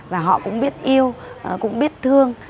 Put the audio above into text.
và họ cũng biết yêu cũng biết thương